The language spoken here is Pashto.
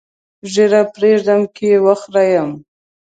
ږیره پرېږدم که یې وخریم؟